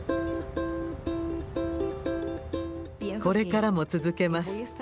これからも続けます。